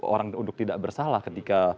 orang untuk tidak bersalah ketika